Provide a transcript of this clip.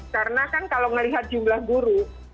karena kan kalau melihat jumlah guru